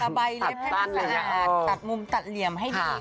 ใบเล็บให้มันสะอาดตัดมุมตัดเหลี่ยมให้ดี